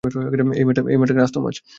এই মেয়েটা একটা আস্ত মাছ।